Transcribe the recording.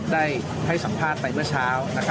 ได้ให้สัมภาษณ์ไปเมื่อเช้า